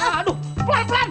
pake tabok belakang lu lagi